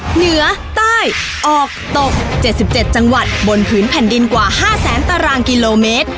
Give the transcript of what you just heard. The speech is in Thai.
เหนือใต้ออกตก๗๗จังหวัดบนผืนแผ่นดินกว่า๕แสนตารางกิโลเมตร